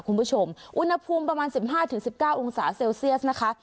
คุณผู้ชมอุณหภูมิประมาณสิบห้าถึงสิบเก้าองศาเซลเซียสนะคะ